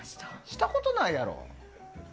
したことないやろ？